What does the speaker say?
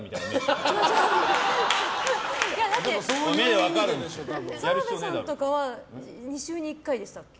いや、だって澤部さんとかは２週に１回でしたっけ。